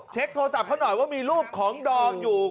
โทรศัพท์เขาหน่อยว่ามีรูปของดอมอยู่